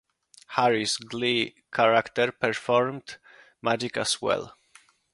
Harris' "Glee" character performed magic as well.